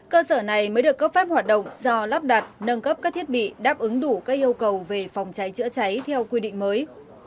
cơ sở này mới được cấp phép hoạt động do lắp đặt nâng cấp các thiết bị đáp ứng đủ các yêu cầu về phòng cháy chữa cháy theo quy định mới